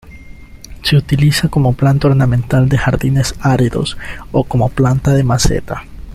Se utiliza como planta ornamental de jardines áridos o como planta de maceta.